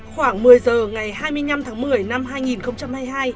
khoảng một mươi giờ ngày hai mươi năm tháng một mươi năm hai nghìn hai mươi hai